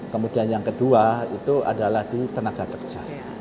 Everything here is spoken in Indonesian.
kemudian yang kedua itu adalah di tenaga kerja